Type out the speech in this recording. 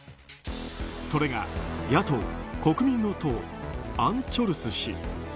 それが、野党・国民の党アン・チョルス氏。